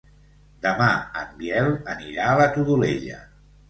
Demà en Biel anirà a la Todolella.